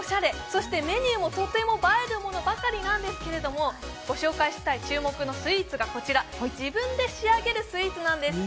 そしてメニューもとても映えるものばかりなんですけれども、ご紹介したい注目のスイーツがこちら自分で仕上げるスイーツなんです。